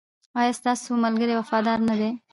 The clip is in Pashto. ایا ستاسو ملګري وفادار نه دي؟